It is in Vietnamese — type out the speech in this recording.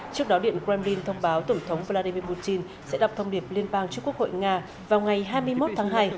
trước đó điện kremlin thông báo tổng thống vladimir putin sẽ đọc thông điệp liên bang trước quốc hội nga vào ngày hai mươi một tháng hai